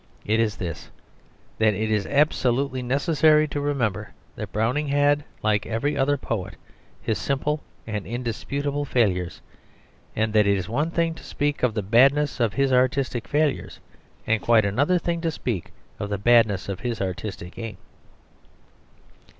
It is this that it is absolutely necessary to remember that Browning had, like every other poet, his simple and indisputable failures, and that it is one thing to speak of the badness of his artistic failures, and quite another thing to speak of the badness of his artistic aim.